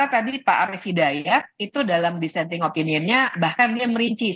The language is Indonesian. jadi pak arief hidayat itu dalam dissenting opinionnya bahkan dia merinci